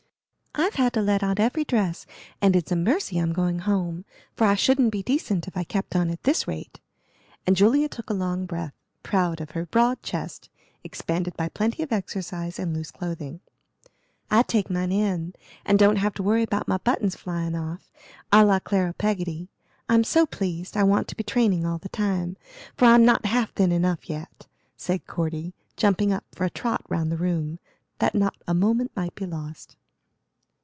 "I've had to let out every dress, and it's a mercy I'm going home, for I shouldn't be decent if I kept on at this rate;" and Julia took a long breath, proud of her broad chest, expanded by plenty of exercise, and loose clothing. "I take mine in, and don't have to worry about my buttons flying off, à la Clara Peggotty. I'm so pleased I want to be training all the time, for I'm not half thin enough yet," said Cordy, jumping up for a trot round the room, that not a moment might be lost.